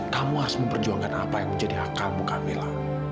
kamu harus memperjuangkan apa yang menjadi akalmu kak mila